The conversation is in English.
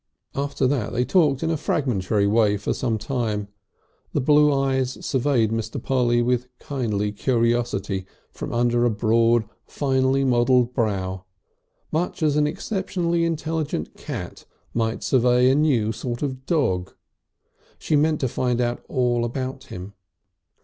After that they talked in a fragmentary way for some time. The blue eyes surveyed Mr. Polly with kindly curiosity from under a broad, finely modelled brow, much as an exceptionally intelligent cat might survey a new sort of dog. She meant to find out all about him.